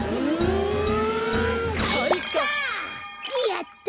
やった！